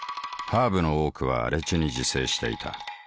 ハーブの多くは荒地に自生していた。